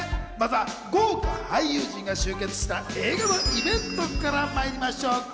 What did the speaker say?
まずは豪華俳優陣が集結した映画のイベントから参りましょう。